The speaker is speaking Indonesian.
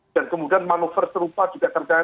dan kemudian manuver serupa juga terjadi